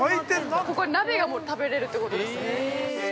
ここ、鍋が食べれるってことですね。